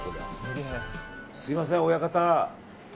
すみません、親方。